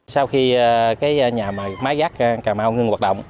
sau khi nhà máy rác cà mau ngưng hoạt động